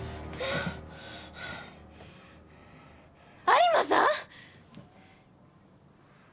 有馬さん！？